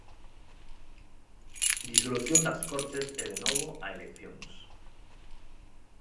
Disolución das Cortes e de novo a eleccións.